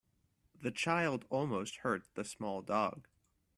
The child almost hurt the small dog.